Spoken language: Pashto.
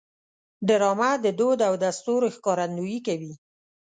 ډرامه د دود او دستور ښکارندویي کوي